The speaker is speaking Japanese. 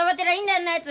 あんなやつ！